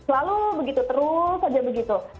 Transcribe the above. lalu begitu terus saja begitu